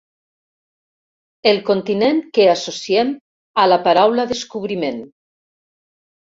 El continent que associem a la paraula descobriment.